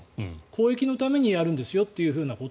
公益のためにやるんですよと。